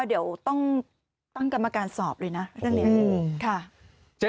ว่าเดี๋ยวต้องตั้งกรรมการสอบเลยนะท่านเนียนอืมค่ะเจ็ด